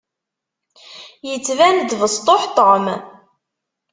Yettban-d besṭuḥ Tom.